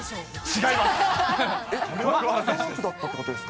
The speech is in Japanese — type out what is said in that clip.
違います。